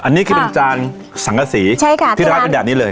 อันนี้คือเป็นจานสังกษีที่ร้านเป็นแบบนี้เลย